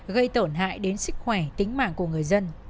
gây tổn hại đến sức khỏe tính mạng của người dân